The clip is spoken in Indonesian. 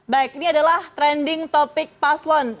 baik ini adalah trending topik paslon